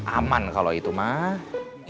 aman kalau itu mah